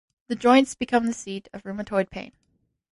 The joints become the seat of rheumatoid pain.